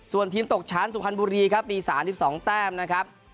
ส่วนทีมตกชั้นสุพรรณบุรีครับมี๓๒แต้มนะครับ